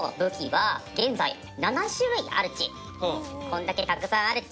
これだけたくさんあるッチ。